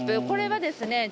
これはですね